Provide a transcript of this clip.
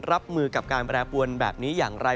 รับมือกับการแปรปวนแบบนี้อย่างไร